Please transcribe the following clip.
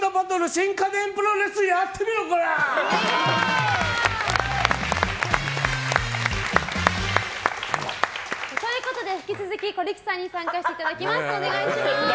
新家電プロレスやってみろ、コラ！ということで、引き続き小力さんに参加していただきます。